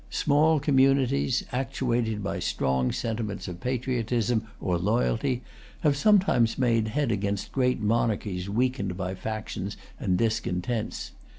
Small communities, actuated by strong sentiments of patriotism or loyalty, have sometimes made head against great monarchies weakened by factions and discontents.